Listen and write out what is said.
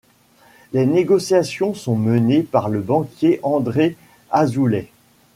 Les négociations sont menées par le banquier André Azoulay.